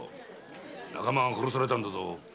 仲間が殺されたんだぞ。